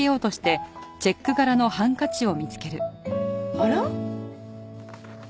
あら？